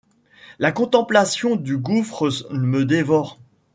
La contemplation du gouffre me dévore.